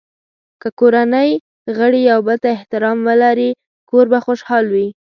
که کورنۍ غړي یو بل ته احترام ولري، کور به خوشحال وي.